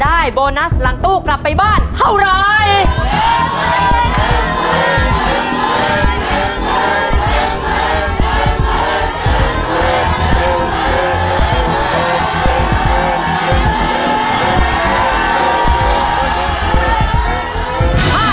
โบนัสหลังตู้กลับไปบ้านเท่าไร